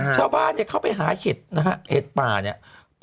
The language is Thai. ชาวบ้านเนี่ยเข้าไปหาเห็ดนะฮะเห็ดป่าเนี่ย